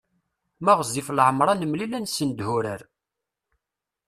Ma ɣezzif leɛmeṛ ad nemlil ad nessendeh urar.